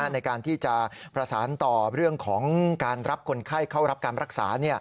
ในการที่จะประสานต่อเรื่องของการรับคนไข้เข้ารับการรักษา